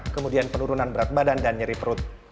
kemudian penurunan berat badan dan nyeri perut